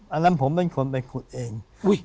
อันนั้นผมเป็นคนไปขุดเอง